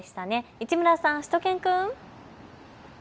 市村さん、しゅと犬くん。